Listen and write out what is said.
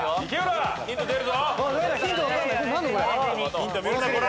ヒント見るなコラ！